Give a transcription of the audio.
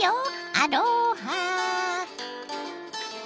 アロハ。